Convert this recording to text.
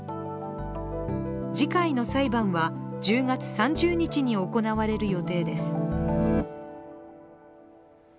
次回の裁判は１０月３０日に行われる予定です。